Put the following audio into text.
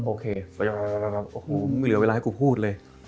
โอเคโอ้โหไม่เหลือเวลาให้กูพูดเลย